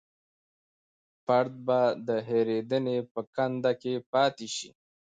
فرد به د هېرېدنې په کنده کې پاتې شي.